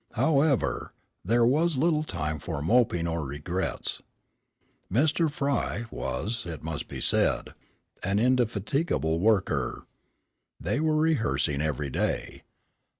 However, there was little time for moping or regrets. Mr. Frye was, it must be said, an indefatigable worker. They were rehearsing every day.